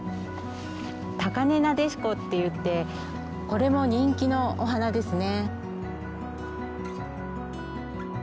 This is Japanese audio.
タカネナデシコっていってこれも人気のお花ですね。